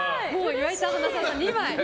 岩井さん、花澤さん、２枚。